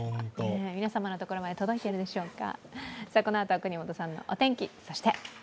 皆様のところまで届いているでしょうか。